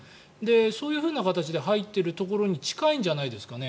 そういうふうな形で入っているところに近いんじゃないですかね。